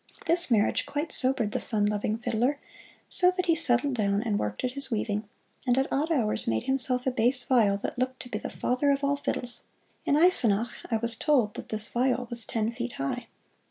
This marriage quite sobered the fun loving fiddler, so that he settled down and worked at his weaving; and at odd hours made himself a bass viol that looked to be father of all the fiddles. In Eisenach I was told that this viol was ten feet high.